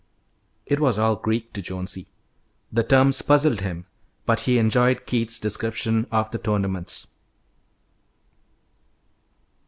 It was all Greek to Jonesy. The terms puzzled him, but he enjoyed Keith's description of the tournaments.